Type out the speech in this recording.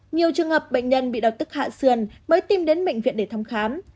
nhiều trường hợp bệnh nhân bị đau tức hạ sườn mới tìm đến bệnh viện để thăm khám